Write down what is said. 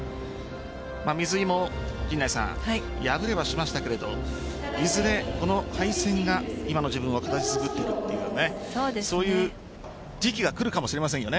水井も敗れはしましたがいずれ、この敗戦が今の自分を形作っていくというそういう時期が来るかもしれませんよね。